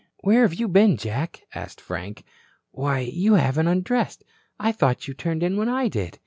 "Where have you been, Jack?" asked Frank. "Why, you haven't undressed. I thought you turned in when I did.